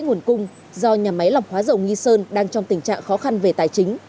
tình trạng đất gậy nguồn cung do nhà máy lọc hóa dầu nghi sơn đang trong tình trạng khó khăn về tài chính